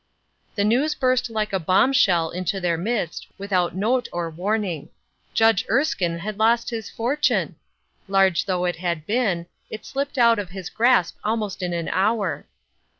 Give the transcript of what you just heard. The news burst like a bomb shell into their midst, without note or warning. Judge Erskine had lost his fortune I Large though it had been, it slipp>ed out of his grasp almost in an hour.